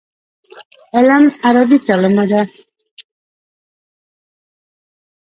علم عربي کلمه ده.